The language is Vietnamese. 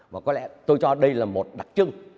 và có lẽ tôi cho đây là một đặc trưng